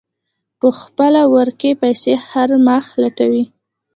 په خپله ورکې پسې هر مخ لټوي.